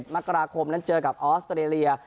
มกราคมนั้นเจอกับออสเตรเลีย